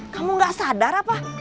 kamu gak sadar apa